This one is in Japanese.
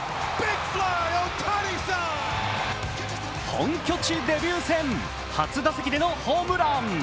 本拠地デビュー戦、初打席でのホームラン。